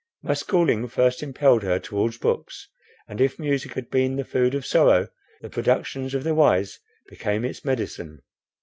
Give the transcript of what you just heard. My schooling first impelled her towards books; and, if music had been the food of sorrow, the productions of the wise became its medicine.